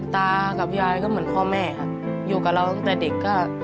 ตากับยายก็เหมือนพ่อแม่ค่ะอยู่กับเราตั้งแต่เด็กก็